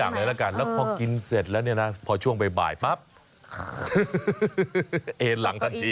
เลยละกันแล้วพอกินเสร็จแล้วเนี่ยนะพอช่วงบ่ายปั๊บเอ็นหลังทันที